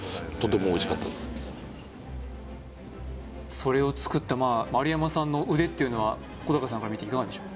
それを作った丸山さんの腕っていうのは小高さんから見ていかがでしょう？